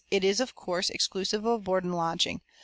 It is, of course, exclusive of board and lodging.